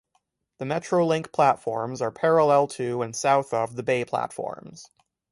The Metrolink platforms are parallel to, and south of the bay platforms.